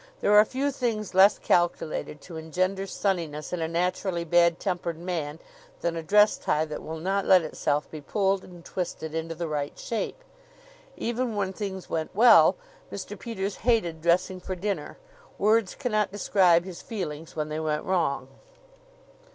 There are few things less calculated to engender sunniness in a naturally bad tempered man than a dress tie that will not let itself be pulled and twisted into the right shape. Even when things went well, Mr. Peters hated dressing for dinner. Words cannot describe his feelings when they went wrong.